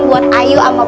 buat ayu sama butet